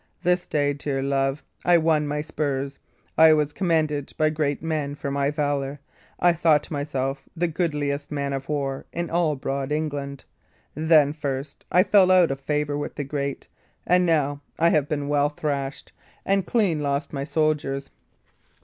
This day, dear love, I won my spurs; I was commended by great men for my valour; I thought myself the goodliest man of war in all broad England. Then, first, I fell out of my favour with the great; and now have I been well thrashed, and clean lost my soldiers.